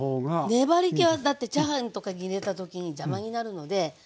粘りけはだってチャーハンとかに入れた時に邪魔になるのではい。